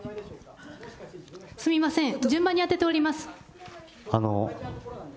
すみません、順番に当てております。